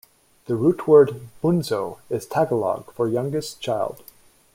The root word "bunso" is Tagalog for youngest child.